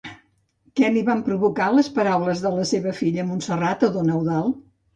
Què li van provocar les paraules de la seva filla Montserrat a don Eudald?